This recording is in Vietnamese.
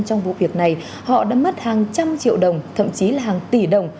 trong vụ việc này họ đã mất hàng trăm triệu đồng thậm chí là hàng tỷ đồng